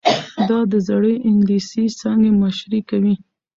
دا د زړې انګلیسي څانګې مشري کوي.